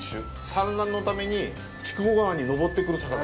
産卵のために筑後川に上ってくる魚。